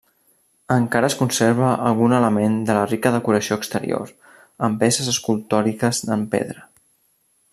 Encara es conserva algun element de la rica decoració exterior, amb peces escultòriques en pedra.